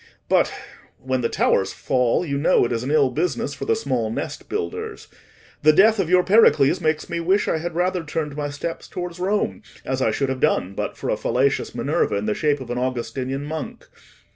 But—when the towers fall, you know it is an ill business for the small nest builders—the death of your Pericles makes me wish I had rather turned my steps towards Rome, as I should have done but for a fallacious Minerva in the shape of an Augustinian monk.